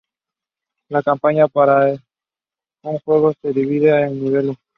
La campaña para un jugador se divide en niveles.